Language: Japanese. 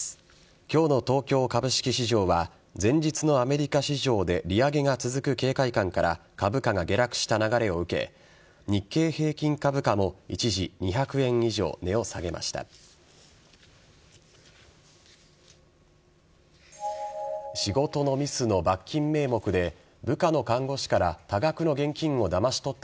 今日の東京株式市場は前日のアメリカ市場で利上げが続く警戒感から株価が下落した流れを受け日経平均株価も一時２００円以上値を下げました。